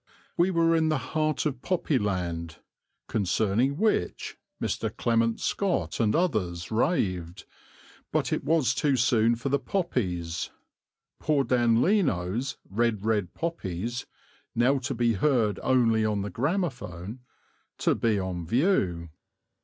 We were in the heart of Poppyland, concerning which Mr. Clement Scott and others raved, but it was too soon for the poppies poor Dan Leno's "Red, Red, Poppies," now to be heard only on the gramophone to be on view.